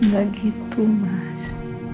gak gitu mas